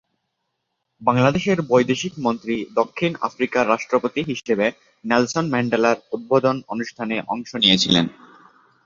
বাংলাদেশের বৈদেশিক মন্ত্রী দক্ষিণ আফ্রিকার রাষ্ট্রপতি হিসেবে নেলসন ম্যান্ডেলার উদ্বোধন অনুষ্ঠানে অংশ নিয়েছিলেন।